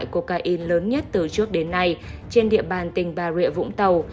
côca in lớn nhất từ trước đến nay trên địa bàn tỉnh bà rịa vũng tàu